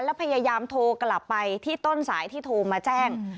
แล้วพยายามโทรกลับไปที่ต้นสายที่โทรมาแจ้ง